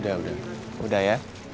udah udah udah ya